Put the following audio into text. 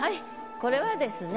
これはですね